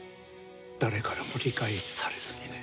誰からも理解されずにね。